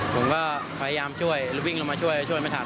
ผมก็พยายามช่วยวิ่งลงมาช่วยช่วยไม่ทัน